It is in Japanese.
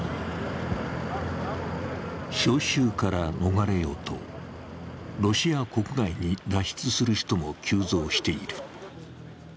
招集から逃れようとロシア国外に脱出する人も急増している。